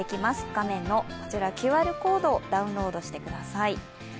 画面のＱＲコードをダウンロードしてください。